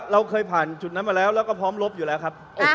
เราเคยผ่านจุดนั้นมาแล้วแล้วก็พร้อมลบอยู่แล้วครับ